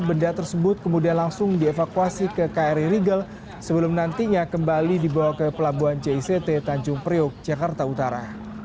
benda tersebut kemudian langsung dievakuasi ke kri rigel sebelum nantinya kembali dibawa ke pelabuhan jict tanjung priok jakarta utara